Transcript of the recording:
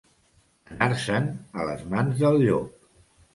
Anar-se'n a les mans del llop.